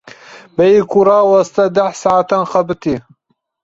Bêyî ku raweste deh saetan xebitî.